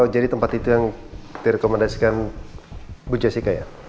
jadi tempat itu yang direkomendasikan bu jessica ya